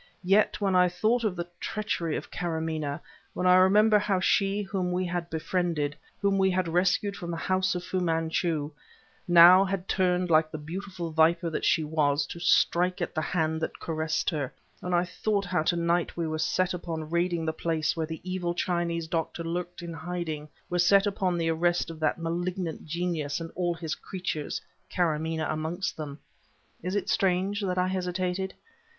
Yet, when I thought of the treachery of Karamaneh, when I remember how she, whom we had befriended, whom we had rescued from the house of Fu Manchu, now had turned like the beautiful viper that she was to strike at the hand that caressed her; when I thought how to night we were set upon raiding the place where the evil Chinese doctor lurked in hiding, were set upon the arrest of that malignant genius and of all his creatures, Karamaneh amongst them, is it strange that I hesitated?